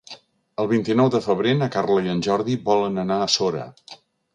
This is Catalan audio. El vint-i-nou de febrer na Carla i en Jordi volen anar a Sora.